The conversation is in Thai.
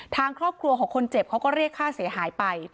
ทางครอบครัวของคนเจ็บเขาก็เรียกค่าเสียหายไป